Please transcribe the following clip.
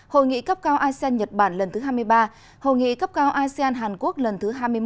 hội nghị cấp cao asean nhật bản lần thứ hai mươi ba hội nghị cấp cao asean hàn quốc lần thứ hai mươi một